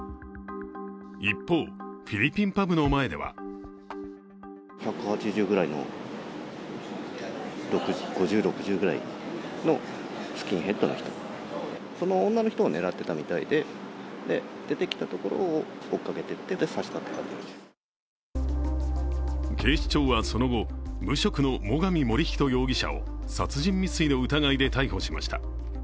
一方、フィリピンパブの前では警視庁はその後、無職の最上守人容疑者を殺人未遂の疑いで逮捕しました。